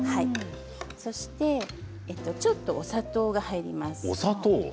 そしてちょっとお砂糖が入ります。